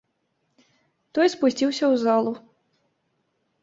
Той спусціўся ў залу.